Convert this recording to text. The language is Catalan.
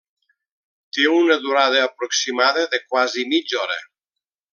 Té una durada aproximada de quasi mitja hora.